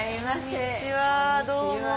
こんにちはどうも。